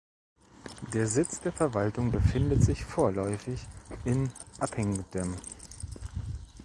Der Sitz der Verwaltung befindet sich vorläufig in Appingedam.